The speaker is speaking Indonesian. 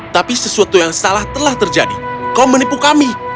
tapi sesuatu yang salah telah terjadi kau menipu kami